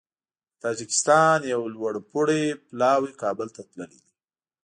د تاجکستان یو لوړپوړی پلاوی کابل ته تللی دی